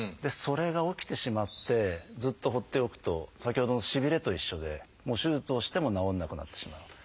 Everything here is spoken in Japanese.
それが起きてしまってずっと放っておくと先ほどのしびれと一緒で手術をしても治らなくなってしまう。